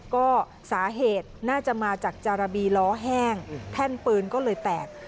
ก็สาเหตุน่าจะมาจากจาระบีล้อแห้งแท่นปืนก็เลยแตก